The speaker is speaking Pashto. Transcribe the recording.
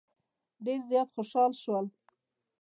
ډېر زیات خوشال شول.